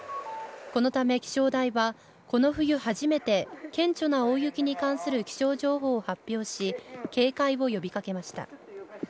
このため気象台は、この冬初めて、顕著な大雪に関する気象情報を発表し、警戒を呼びかけました。